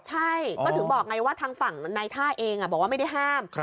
ใช่ก็ถึงบอกไงว่าทางฝั่งนายท่าเองบอกว่าไม่ได้ห้าม